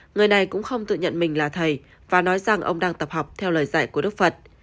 người này cũng không tự nhận mình là thầy và nói rằng ông đang tập học theo lời dạy của đức phật